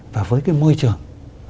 và với cái môi trường